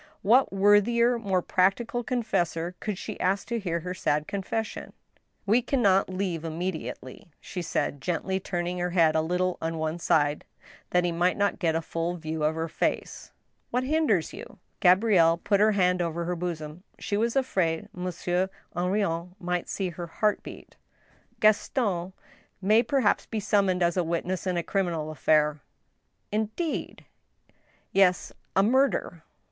What worthier, more practical confessor could she ask to hear her sad confession ?" We can not leave immediately," she said, gently turning her head a little on one side, that he might not get a full view of her face. " What hinders you ?" Gabrielle put her hand over her bosom ; she was afraid Mon sieur Henrion might see her heart beat. Gaston may perhaps be summoned as a witness in a criminal affair." " Indeed !" "Yes — a murder."